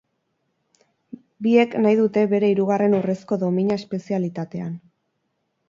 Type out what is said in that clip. Biek nahi dute bere hirugarren urrezko domina espezialitatean.